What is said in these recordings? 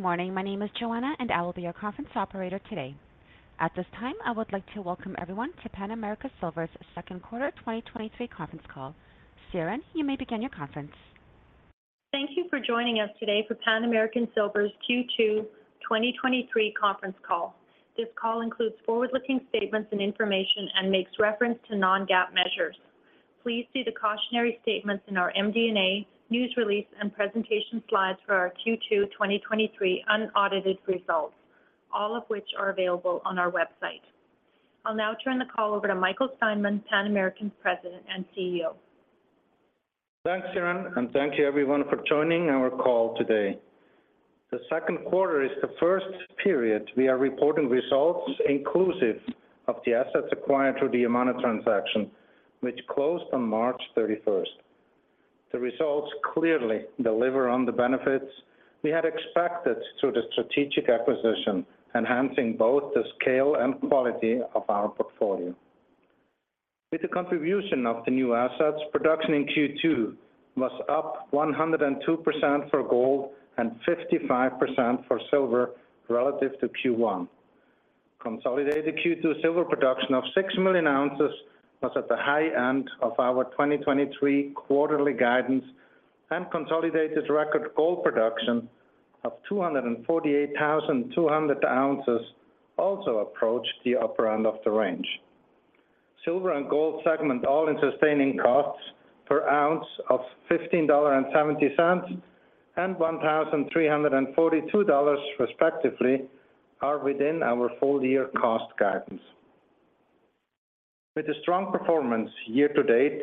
Good morning. My name is Joanna. I will be your conference operator today. At this time, I would like to welcome everyone to Pan American Silver's second quarter 2023 conference call. Sharon, you may begin your conference. Thank you for joining us today for Pan American Silver's Q2 2023 conference call. This call includes forward-looking statements and information and makes reference to non-GAAP measures. Please see the cautionary statements in our MD&A, news release, and presentation slides for our Q2 2023 unaudited results, all of which are available on our website. I'll now turn the call over to Michael Steinmann, Pan American's President and CEO. Thanks, Sharon, and thank you everyone for joining our call today. The second quarter is the first period we are reporting results inclusive of the assets acquired through the Yamana transaction, which closed on March 31st. The results clearly deliver on the benefits we had expected through the strategic acquisition, enhancing both the scale and quality of our portfolio. With the contribution of the new assets, production in Q2 was up 102% for gold and 55% for silver relative to Q1. Consolidated Q2 silver production of 6 million oz was at the high end of our 2023 quarterly guidance, and consolidated record gold production of 248,200 oz also approached the upper end of the range. Silver and gold segment, All-in Sustaining Costs per ounce of $15.70 and $1,342, respectively, are within our full year cost guidance. With a strong performance year to date,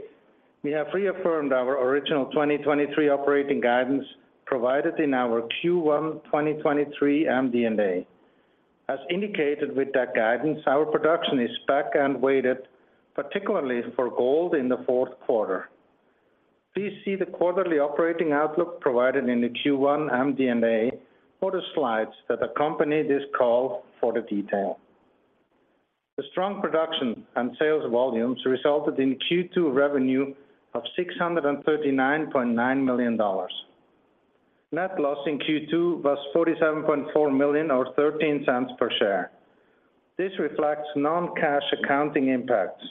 we have reaffirmed our original 2023 operating guidance provided in our Q1 2023 MD&A. As indicated with that guidance, our production is back and weighted, particularly for gold in the fourth quarter. Please see the quarterly operating outlook provided in the Q1 MD&A for the slides that accompany this call for the detail. The strong production and sales volumes resulted in Q2 revenue of $639.9 million. Net loss in Q2 was $47.4 million or $0.13 per share. This reflects non-cash accounting impacts,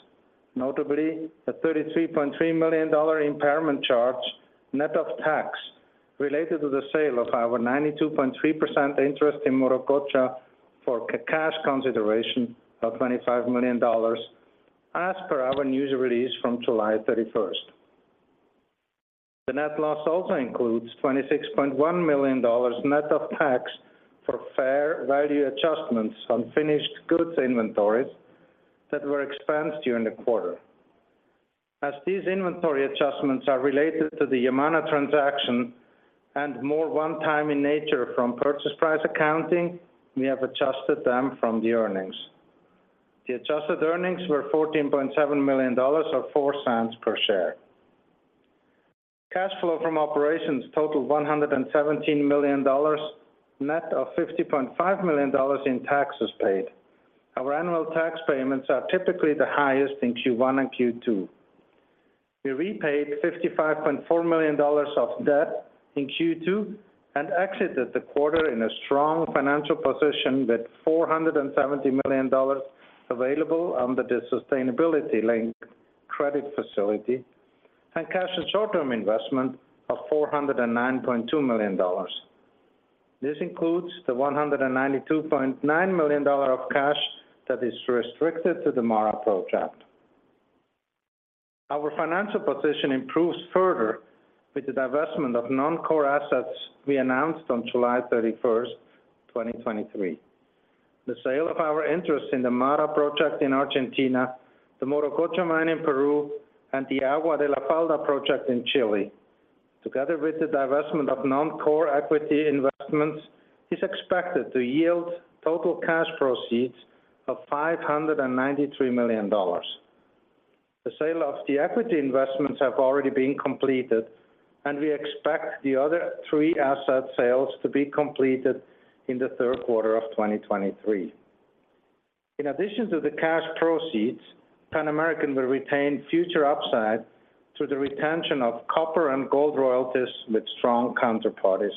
notably a $33.3 million impairment charge, net of tax, related to the sale of our 92.3% interest in Morococha for a cash consideration of $25 million, as per our news release from July 31st. The net loss also includes $26.1 million net of tax for fair value adjustments on finished goods inventories that were expensed during the quarter. As these inventory adjustments are related to the Yamana transaction and more one-time in nature from purchase price accounting, we have adjusted them from the earnings. The adjusted earnings were $14.7 million or $0.04 per share. Cash flow from operations totaled $117 million, net of $50.5 million in taxes paid. Our annual tax payments are typically the highest in Q1 and Q2. We repaid $55.4 million of debt in Q2 and exited the quarter in a strong financial position with $470 million available under the sustainability-linked credit facility and cash and short-term investment of $409.2 million. This includes the $192.9 million of cash that is restricted to the MARA project. Our financial position improves further with the divestment of non-core assets we announced on July 31, 2023. The sale of our interest in the MARA project in Argentina, the Morococha mine in Peru, and the Agua de la Falda project in Chile, together with the divestment of non-core equity investments, is expected to yield total cash proceeds of $593 million. The sale of the equity investments have already been completed, and we expect the other three asset sales to be completed in the third quarter of 2023. In addition to the cash proceeds, Pan American will retain future upside through the retention of copper and gold royalties with strong counterparties.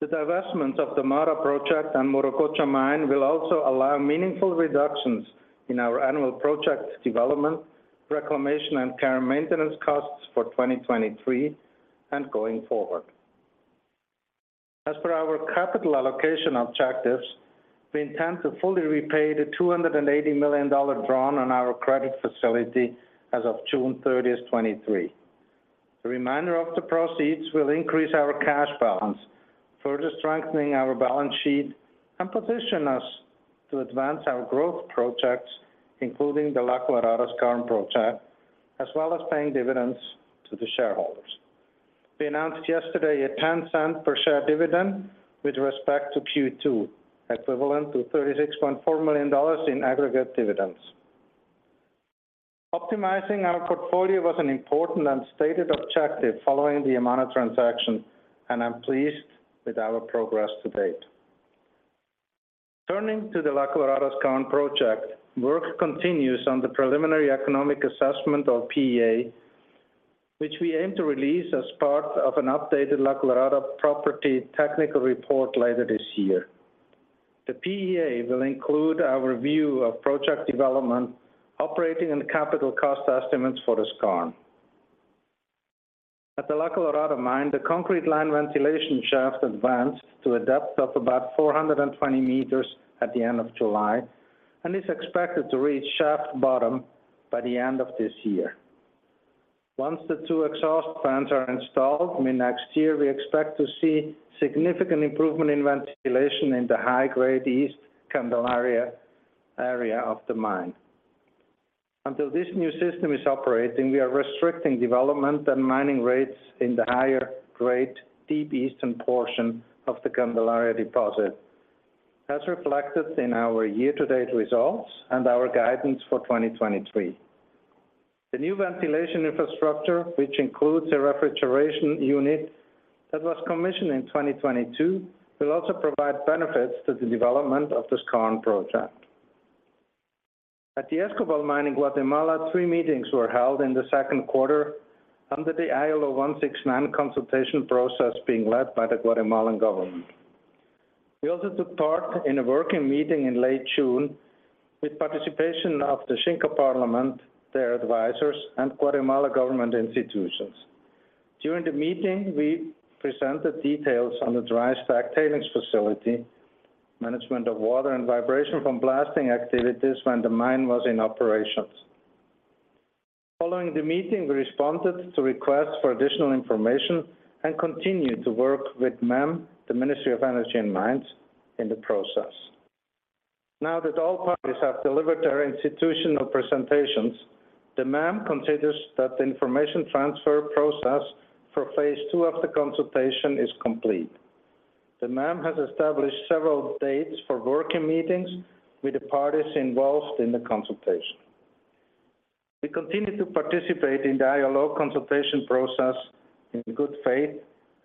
The divestment of the MARA project and Morococha mine will also allow meaningful reductions in our annual project development, reclamation, and care maintenance costs for 2023 and going forward. As per our capital allocation objectives, we intend to fully repay the $280 million drawn on our credit facility as of June 30, 2023. The remainder of the proceeds will increase our cash balance, further strengthening our balance sheet and position us to advance our growth projects, including the La Colorada Skarn project, as well as paying dividends to the shareholders. We announced yesterday a $0.10 per share dividend with respect to Q2, equivalent to $36.4 million in aggregate dividends. Optimizing our portfolio was an important and stated objective following the amount of transaction, and I'm pleased with our progress to date. Turning to the La Colorada skarn project, work continues on the preliminary economic assessment or PEA, which we aim to release as part of an updated La Colorada property technical report later this year. The PEA will include our review of project development, operating and capital cost estimates for the skarn. At the La Colorada mine, the concrete line ventilation shaft advanced to a depth of about 420 meters at the end of July, and is expected to reach shaft bottom by the end of this year. Once the two exhaust fans are installed, I mean, next year, we expect to see significant improvement in ventilation in the high-grade East Candelaria area of the mine. Until this new system is operating, we are restricting development and mining rates in the higher grade, deep eastern portion of the Candelaria deposit, as reflected in our year-to-date results and our guidance for 2023. The new ventilation infrastructure, which includes a refrigeration unit that was commissioned in 2022, will also provide benefits to the development of the skarn project. At the Escobal mine in Guatemala, three meetings were held in the second quarter under the ILO 169 consultation process being led by the Guatemalan government. We also took part in a working meeting in late June with participation of the Xinka Parliament, their advisors, and Guatemala government institutions. During the meeting, we presented details on the dry stack tailings facility, management of water and vibration from blasting activities when the mine was in operations. Following the meeting, we responded to requests for additional information and continued to work with MEM, the Ministry of Energy and Mines, in the process. Now that all parties have delivered their institutional presentations, the MEM considers that the information transfer process for phase two of the consultation is complete. The MEM has established several dates for working meetings with the parties involved in the consultation. We continue to participate in the ILO consultation process in good faith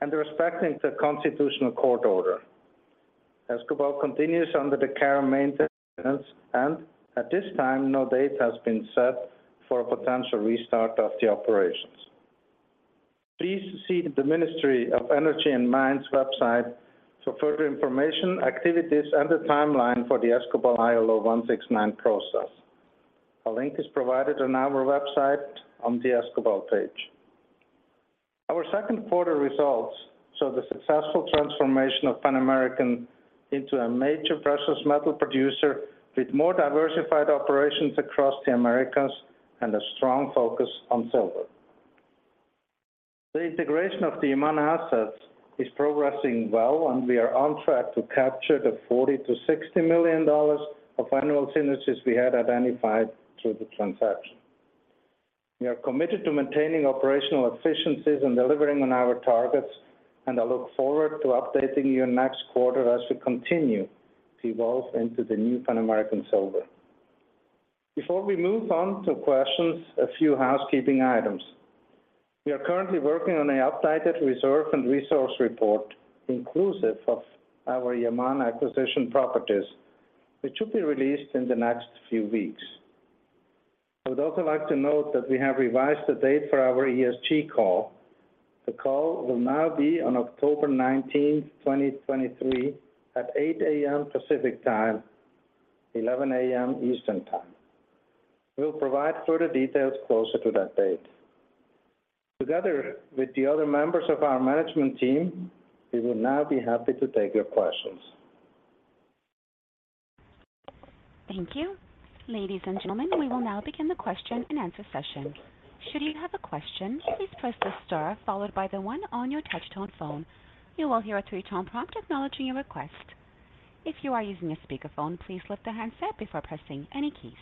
and respecting the Constitutional Court order. Escobal continues under the care and maintenance, and at this time, no date has been set for a potential restart of the operations. Please see the Ministry of Energy and Mines website for further information, activities, and the timeline for the Escobal ILO 169 process. A link is provided on our website on the Escobal page. Our second quarter results show the successful transformation of Pan American into a major precious metal producer, with more diversified operations across the Americas and a strong focus on silver. The integration of the Yamana assets is progressing well, and we are on track to capture the $40 million-$60 million of annual synergies we had identified through the transaction. We are committed to maintaining operational efficiencies and delivering on our targets, and I look forward to updating you next quarter as we continue to evolve into the new Pan American Silver. Before we move on to questions, a few housekeeping items. We are currently working on an updated reserve and resource report, inclusive of our Yamana acquisition properties, which should be released in the next few weeks. I would also like to note that we have revised the date for our ESG call. The call will now be on October 19, 2023, at 8:00 A.M. Pacific Time, 11:00 A.M. Eastern Time. We'll provide further details closer to that date. Together with the other members of our management team, we will now be happy to take your questions. Thank you. Ladies and gentlemen, we will now begin the question-and-answer session. Should you have a question, please press the star followed by the one on your touch tone phone. You will hear a 3-tone prompt acknowledging your request. If you are using a speakerphone, please lift the handset before pressing any keys.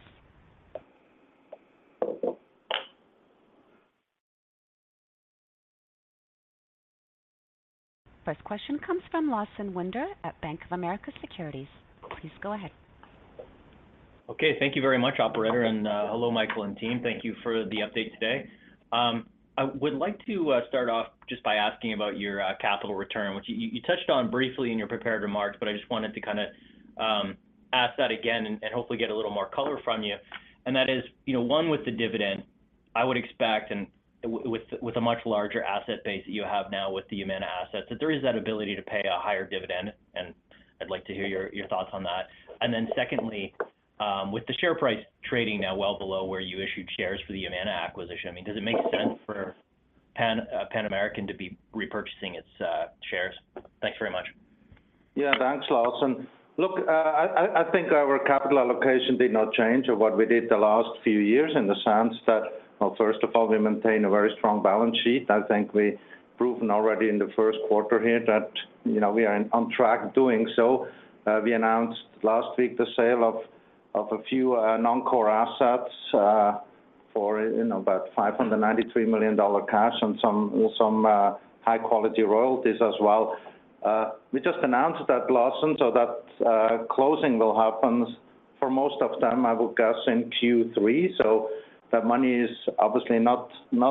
First question comes from Lawson Winder at Bank of America Securities. Please go ahead. Okay, thank you very much, operator. Hello, Michael and team. Thank you for the update today. I would like to start off just by asking about your capital return, which you touched on briefly in your prepared remarks, but I just wanted to kinda ask that again and hopefully get a little more color from you. That is, you know, one, with the dividend, I would expect, and with a much larger asset base that you have now with the Yamana assets, that there is that ability to pay a higher dividend, and I'd like to hear your thoughts on that. Secondly, with the share price trading now well below where you issued shares for the Yamana acquisition, I mean, does it make sense for Pan American to be repurchasing its shares? Thanks very much. Yeah, thanks, Lawson. Look, I think our capital allocation did not change of what we did the last few years in the sense that, well, first of all, we maintain a very strong balance sheet. I think we've proven already in the first quarter here that, you know, we are on track doing so. We announced last week the sale of a few non-core assets for, you know, about $593 million cash on some high-quality royalties as well. We just announced that, Lawson, so that closing will happen- for most of them, I would guess in Q3. That money is obviously not in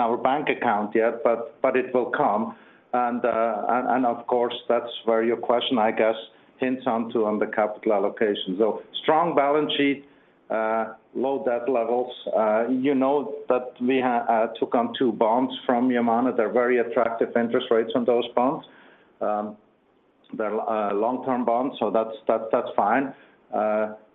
our bank account yet, but it will come. Of course, that's where your question, I guess, hints on to on the capital allocation. Strong balance sheet, low debt levels. You know that we took on 2 bonds from Yamana. They're very attractive interest rates on those bonds. They're long-term bonds, so that's, that's, that's fine.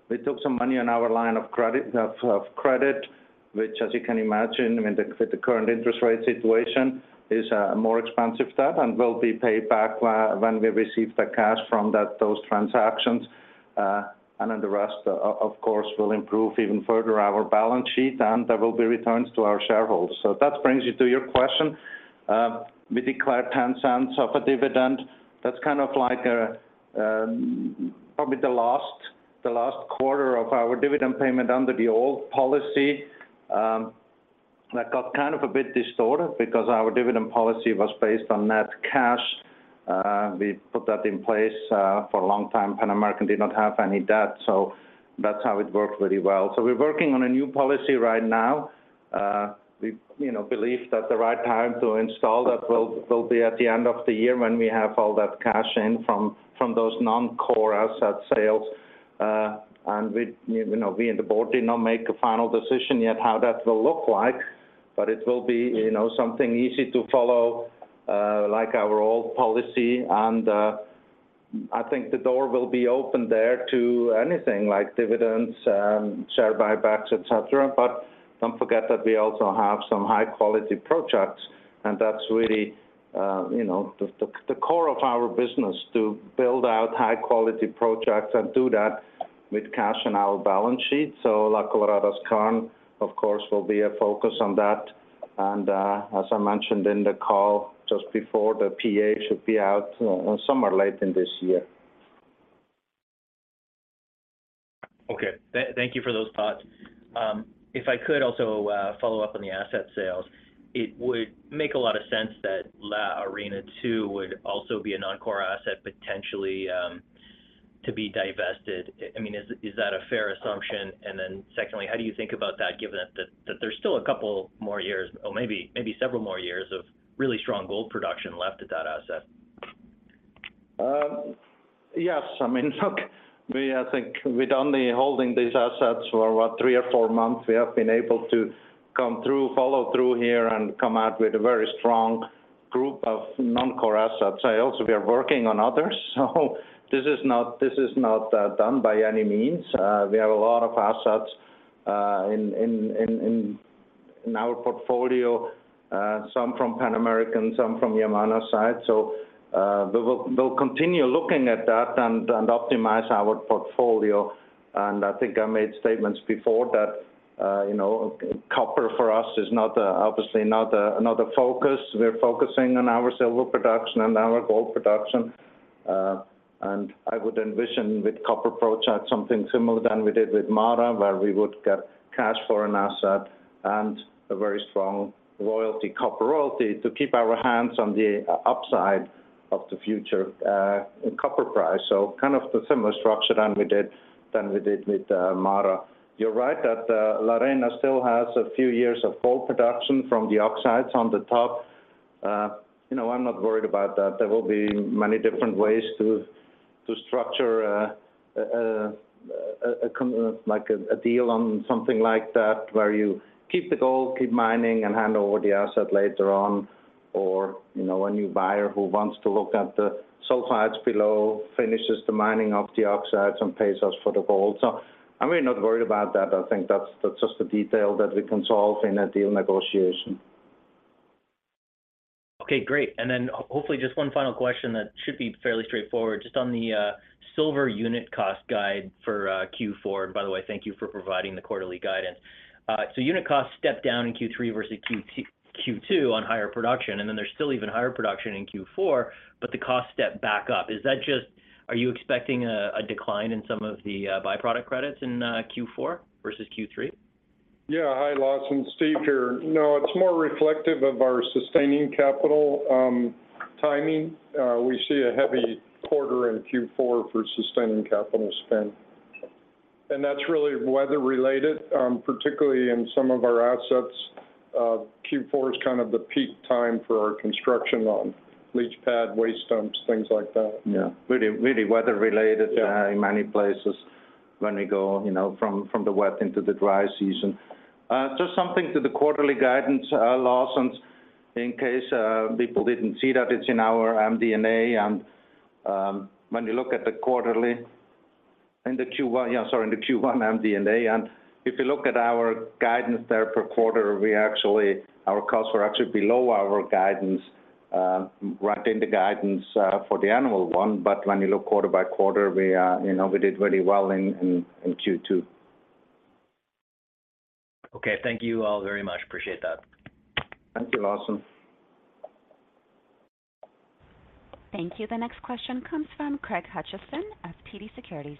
We took some money on our line of credit, of credit, which, as you can imagine, I mean, with the current interest rate situation, is a more expensive debt and will be paid back when we receive the cash from that, those transactions. Then the rest, of course, will improve even further our balance sheet, and there will be returns to our shareholders. That brings you to your question. We declared $0.10 of a dividend. That's kind of like a, probably the last, the last quarter of our dividend payment under the old policy. That got kind of a bit distorted because our dividend policy was based on net cash. We put that in place for a long time. Pan American did not have any debt, so that's how it worked really well. We're working on a new policy right now. We, you know, believe that the right time to install that will, will be at the end of the year when we have all that cash in from, from those non-core asset sales. We, you know, we and the board did not make a final decision yet how that will look like, but it will be, you know, something easy to follow, like our old policy. I think the door will be open there to anything like dividends, share buybacks, et cetera. Don't forget that we also have some high-quality projects, and that's really, you know, the, the, the core of our business, to build out high-quality projects and do that with cash on our balance sheet. La Colorada Skarn, of course, will be a focus on that. As I mentioned in the call just before, the PEA should be out somewhere late in this year. Okay. Thank you for those thoughts. If I could also follow up on the asset sales, it would make a lot of sense that La Arena II would also be a non-core asset, potentially to be divested. I mean, is that a fair assumption? Secondly, how do you think about that, given that there's still a couple more years or maybe several more years of really strong gold production left at that asset? Yes. I mean, look, we I think with only holding these assets for what, three or four months, we have been able to come through, follow through here and come out with a very strong group of non-core assets. We are working on others, so this is not, this is not done by any means. We have a lot of assets in our portfolio, some from Pan American, some from Yamana's side. We'll continue looking at that and optimize our portfolio. I think I made statements before that, you know, copper for us is not obviously not not the focus. We're focusing on our silver production and our gold production. I would envision with copper project, something similar than we did with Mara, where we would get cash for an asset and a very strong royalty, copper royalty, to keep our hands on the upside of the future copper price. Kind of a similar structure than we did, than we did with Mara. You're right that La Arena still has a few years of gold production from the oxides on the top. You know, I'm not worried about that. There will be many different ways to structure, like, a deal on something like that, where you keep the gold, keep mining, and hand over the asset later on. You know, a new buyer who wants to look at the sulfides below, finishes the mining of the oxides and pays us for the gold. I'm really not worried about that. I think that's, that's just a detail that we can solve in a deal negotiation. Okay, great. Hopefully, just one final question that should be fairly straightforward. Just on the silver unit cost guide for Q4. By the way, thank you for providing the quarterly guidance. Unit cost stepped down in Q3 versus Q2, Q2 on higher production, then there's still even higher production in Q4, but the cost stepped back up. Is that just? Are you expecting a decline in some of the byproduct credits in Q4 versus Q3? Yeah. Hi, Lawson. Steve here. No, it's more reflective of our sustaining capital timing. We see a heavy quarter in Q4 for sustaining capital spend, and that's really weather related, particularly in some of our assets. Q4 is kind of the peak time for our construction on leach pad, waste dumps, things like that. Yeah, really, really weather related- Yeah... in many places when we go, you know, from, from the wet into the dry season. Just something to the quarterly guidance, Lawson, in case people didn't see that, it's in our MD&A. When you look at the quarterly in the Q1, yeah, sorry, in the Q1 MD&A, and if you look at our guidance there per quarter, our costs were actually below our guidance, right in the guidance, for the annual one. When you look quarter by quarter, we, you know, we did really well in, in, in Q2. Okay. Thank you all very much. Appreciate that. Thank you, Lawson. Thank you. The next question comes from Craig Hutchison of TD Securities.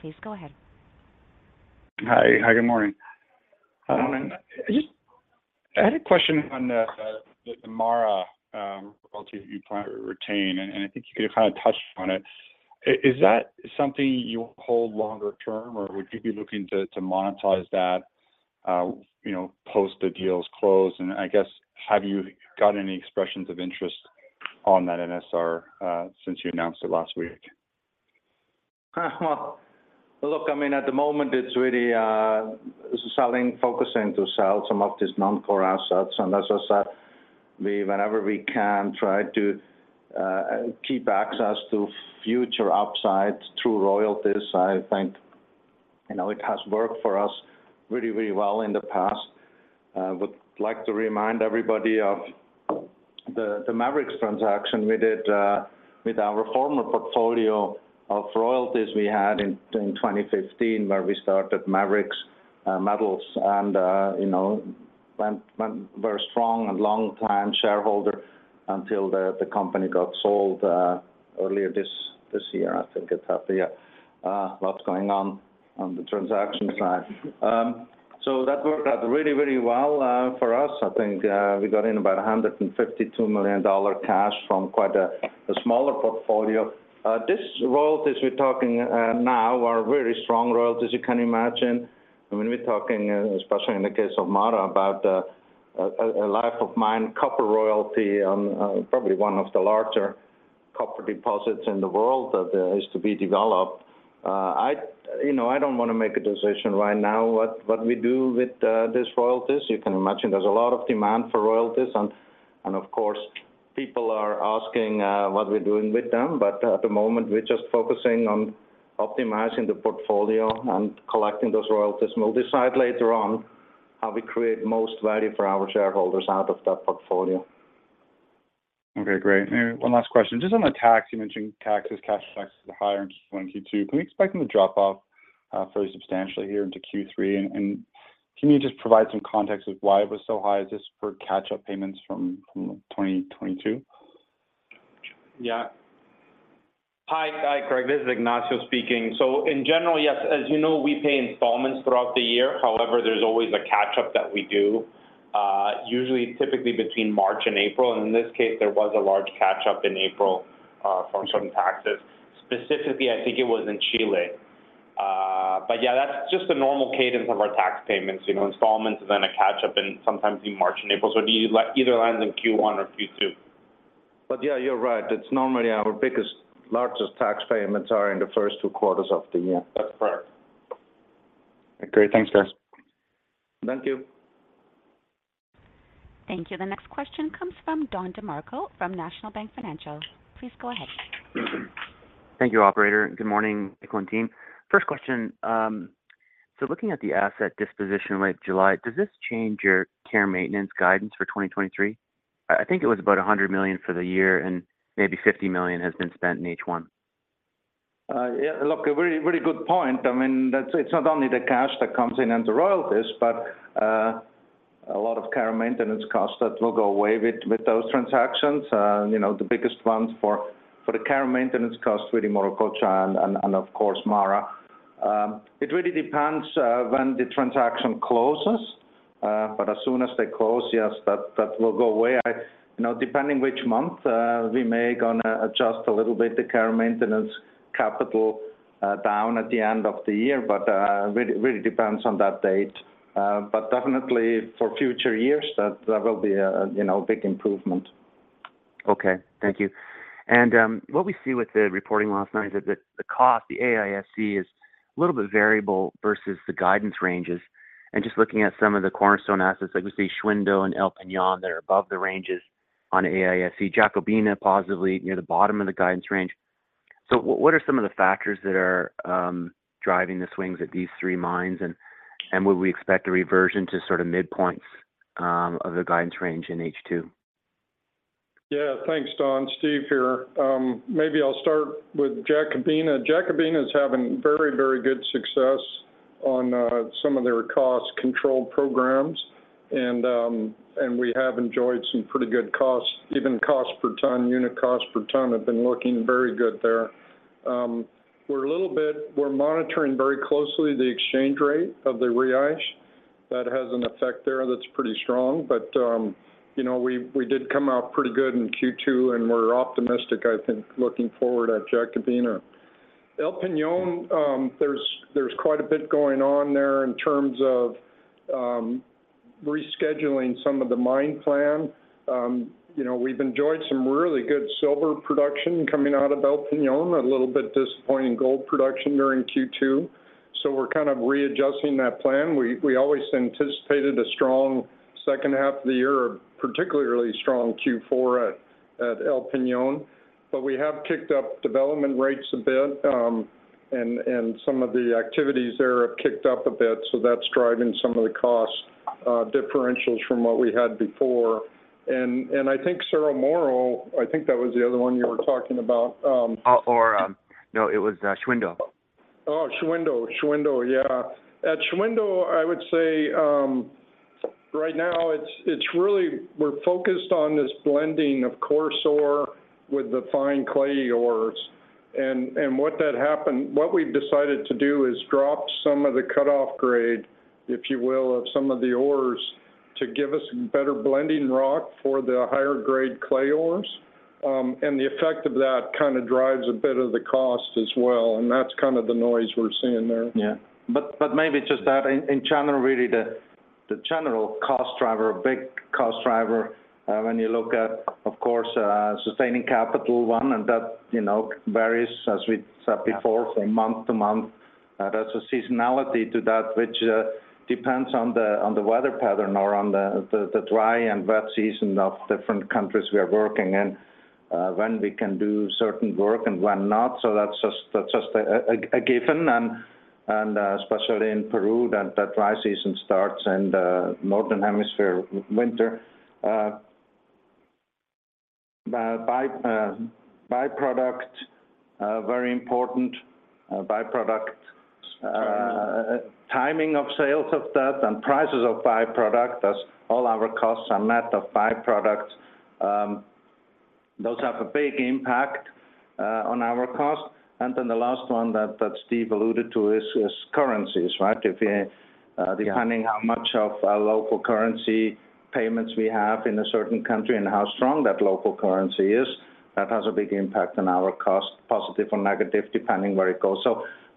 Please go ahead. Hi. Hi, good morning. I had a question on the, the MARA, royalty that you plan to retain, and, and I think you kind of touched on it. Is that something you hold longer term, or would you be looking to, to monetize that, you know, post the deal's closed? I guess, have you got any expressions of interest on that NSR, since you announced it last week? Well, look, I mean, at the moment, it's really focusing to sell some of these non-core assets. As I said, we, whenever we can, try to keep access to future upsides through royalties. I think, you know, it has worked for us really, really well in the past. I would like to remind everybody of the, the Maverix transaction we did with our former portfolio of royalties we had in 2015, where we started Maverix Metals. You know, went, went very strong and longtime shareholder until the company got sold earlier this year. I think it's happier what's going on on the transaction side. That worked out really, really well for us. I think we got in about $152 million cash from quite a smaller portfolio. This royalties we're talking now are very strong royalties, you can imagine. I mean, we're talking, especially in the case of Mara, about a life of mine, copper royalty, probably one of the larger copper deposits in the world that is to be developed. You know, I don't want to make a decision right now what we do with these royalties. You can imagine there's a lot of demand for royalties, and of course, people are asking what we're doing with them. At the moment, we're just focusing on optimizing the portfolio and collecting those royalties. We'll decide later on how we create most value for our shareholders out of that portfolio. Okay, great. One last question. Just on the tax, you mentioned taxes, cash taxes are higher in Q1, Q2. Can we expect them to drop off fairly substantially here into Q3? Can you just provide some context with why it was so high? Is this for catch-up payments from 2022? Yeah. Hi, hi, Greg, this is Ignacio speaking. So in general, yes, as you know, we pay installments throughout the year. However, there's always a catch-up that we do, usually, typically between March and April, and in this case, there was a large catch-up in April, from certain taxes. Specifically, I think it was in Chile. But yeah, that's just the normal cadence of our tax payments. You know, installments, then a catch-up, and sometimes in March and April. So it either lands in Q1 or Q2. Yeah, you're right. It's normally our biggest, largest tax payments are in the first two quarters of the year. That's correct. Great. Thanks, guys. Thank you. Thank you. The next question comes from Don DeMarco from National Bank Financial. Please go ahead. Thank you, operator. Good morning, Mike and team. First question. Looking at the asset disposition late July, does this change your care maintenance guidance for 2023? I think it was about $100 million for the year, and maybe $50 million has been spent in each one. Yeah, look, a very, very good point. I mean, that's, it's not only the cash that comes in and the royalties, but a lot of care and maintenance costs that will go away with, with those transactions. You know, the biggest ones for, for the care and maintenance costs, really, Morococha and, and, and of course, MARA. It really depends when the transaction closes, but as soon as they close, yes, that, that will go away. You know, depending which month, we may gonna adjust a little bit the care and maintenance capital down at the end of the year, but it really depends on that date. Definitely for future years, that, that will be a, you know, big improvement. Okay. Thank you. What we see with the reporting last night is that the cost, the AISC, is a little bit variable versus the guidance ranges. Just looking at some of the cornerstone assets, like we see Shahuindo and El Peñón, that are above the ranges on AISC, Jacobina, positively near the bottom of the guidance range. What are some of the factors that are driving the swings at these three mines, and would we expect a reversion to sort of midpoints of the guidance range in H2? Yeah. Thanks, Don. Steve here. Maybe I'll start with Jacobina. Jacobina is having very, very good success on some of their cost control programs, and we have enjoyed some pretty good costs. Even cost per ton, unit cost per ton, have been looking very good there. We're a little bit- We're monitoring very closely the exchange rate of the reais. That has an effect there that's pretty strong, but, you know, we, we did come out pretty good in Q2, and we're optimistic, I think, looking forward at Jacobina. El Peñón, there's, there's quite a bit going on there in terms of rescheduling some of the mine plan. You know, we've enjoyed some really good silver production coming out of El Peñón, a little bit disappointing gold production during Q2, so we're kind of readjusting that plan. We always anticipated a strong second half of the year, a particularly strong Q4 at El Peñón. We have kicked up development rates a bit, and some of the activities there have kicked up a bit, so that's driving some of the cost differentials from what we had before. I think Cerro Moro, I think that was the other one you were talking about. No, it was Shahuindo. Oh, Shahuindo. Shahuindo, yeah. At Shahuindo, I would say, right now it's, it's really, we're focused on this blending of coarse ore with the fine clay ores. What that happened, what we've decided to do is drop some of the cutoff grade, if you will, of some of the ores to give us better blending rock for the higher grade clay ores. The effect of that kind of drives a bit of the cost as well, and that's kind of the noise we're seeing there. Yeah. But maybe just that in, in general, really, the general cost driver, a big cost driver, when you look at, of course, sustaining capital one, and that, you know, varies, as we said before, from month to month. There's a seasonality to that, which depends on the weather pattern or on the dry and wet season of different countries we are working in, when we can do certain work and when not. That's just, that's just a given. And, especially in Peru, that the dry season starts in the Northern Hemisphere winter. Byproducts, very important byproducts. Timing of sales of that and prices of byproducts, as all our costs are met of byproducts. Those have a big impact on our cost. Then the last one that, that Steve alluded to is, is currencies, right? If, depending how much of our local currency payments we have in a certain country and how strong that local currency is, that has a big impact on our cost, positive or negative, depending where it goes.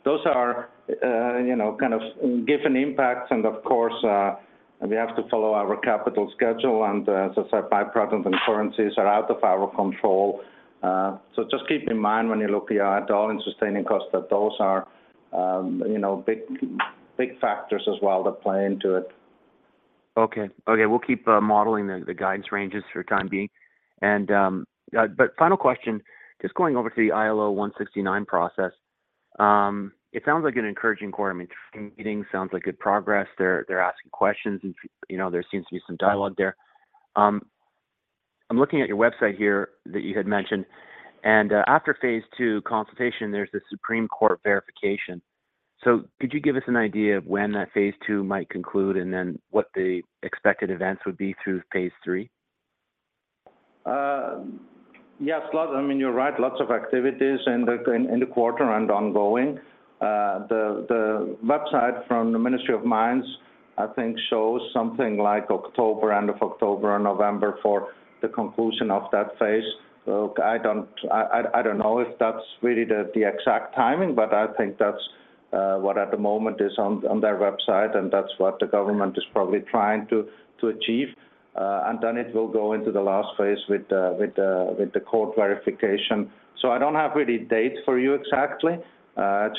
Those are, you know, kind of given impacts, and of course, we have to follow our capital schedule, and as I said, byproducts and currencies are out of our control. Just keep in mind when you look at All-in Sustaining Costs, that those are, you know, big, big factors as well that play into it. Okay. Okay, we'll keep modeling the guidance ranges for time being. Final question, just going over to the ILO 169 process, it sounds like an encouraging quarter. I mean, meeting sounds like good progress. They're asking questions and, you know, there seems to be some dialogue there. I'm looking at your website here that you had mentioned, after phase two consultation, there's the Supreme Court verification. Could you give us an idea of when that phase two might conclude, and then what the expected events would be through phase three? Yes, I mean, you're right, lots of activities in the quarter and ongoing. The website from the Ministry of Mines, I think, shows something like October, end of October or November for the conclusion of that phase. I don't know if that's really the exact timing, but I think that's what at the moment is on their website, and that's what the government is probably trying to achieve. Then it will go into the last phase with the court verification. I don't have really dates for you exactly,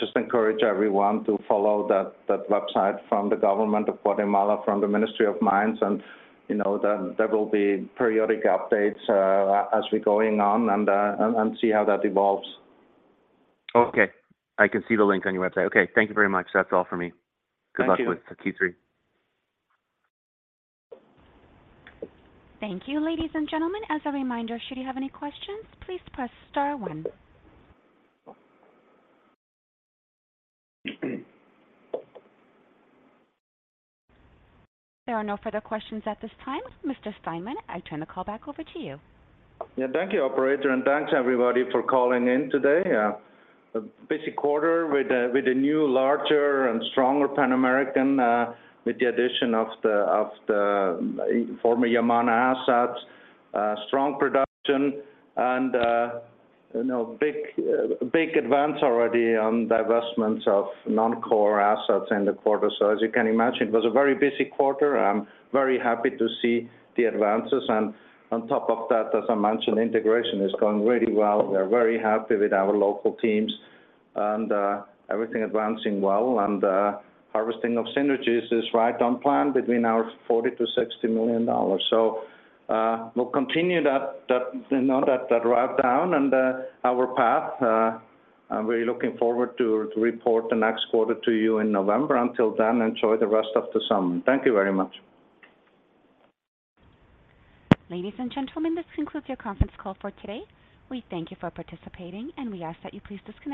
just encourage everyone to follow that, that website from the government of Guatemala, from the Ministry of Mines, and, you know, then there will be periodic updates, as we're going on and, and, and see how that evolves. Okay. I can see the link on your website. Okay, thank you very much. That's all for me. Thank you. Good luck with Q3. Thank you, ladies and gentlemen. As a reminder, should you have any questions, please press star one. There are no further questions at this time. Mr. Steinmann, I turn the call back over to you. Yeah, thank you, operator, and thanks, everybody, for calling in today. A busy quarter with a, with a new, larger and stronger Pan American, with the addition of the, of the former Yamana assets, strong production and big, big advance already on divestments of non-core assets in the quarter. As you can imagine, it was a very busy quarter. I'm very happy to see the advances, and on top of that, as I mentioned, integration is going really well. We're very happy with our local teams and everything advancing well. Harvesting of synergies is right on plan between our $40 million-$60 million. We'll continue that, that, that, that route down and our path. I'm really looking forward to, to report the next quarter to you in November. Until then, enjoy the rest of the summer. Thank you very much. Ladies and gentlemen, this concludes your conference call for today. We thank you for participating. We ask that you please disconnect.